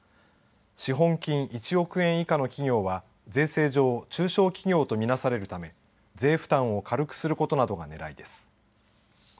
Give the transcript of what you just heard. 資本金１億円以下の企業は税制上中小企業と見なされるため税負担を軽くすることなどがねらいです。